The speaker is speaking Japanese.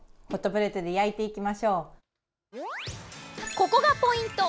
ここがポイント！